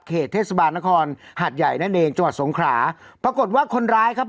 เทศบาลนครหาดใหญ่นั่นเองจังหวัดสงขราปรากฏว่าคนร้ายครับ